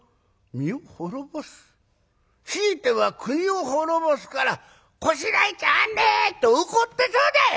ひいては国を滅ぼすから『こしらえちゃなんねえ！』と怒ったそうだよ。